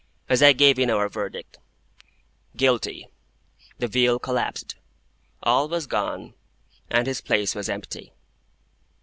As I gave in our verdict, "Guilty," the veil collapsed, all was gone, and his place was empty.